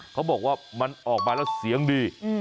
เขาบอกว่ามันออกมาแล้วเสียงดี